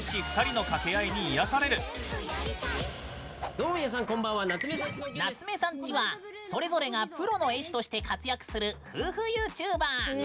続いては「なつめさんち」はそれぞれがプロの絵師として活躍する、夫婦ＹｏｕＴｕｂｅｒ。